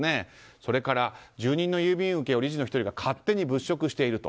それから住人の郵便受けを理事の１人が勝手に物色していると。